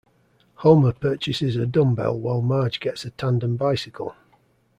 Homer purchases a dumbbell while Marge gets a tandem bicycle.